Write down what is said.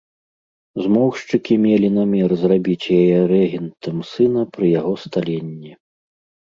Змоўшчыкі мелі намер зрабіць яе рэгентам сына пры яго сталенні.